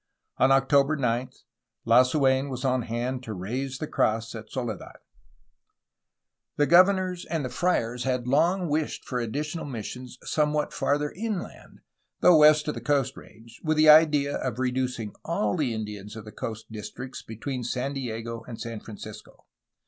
On October 9 Lasu6n was on hand to raise the cross at Soledad. The governors and the friars had long wished for additional missions somewhat farther inland, though west of the Coast Range, with the idea of reducing all the Indians of the coast districts between San Diego and San Francisco.